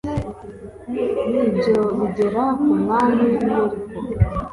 ibyo bigera ku mwami w’i yeriko,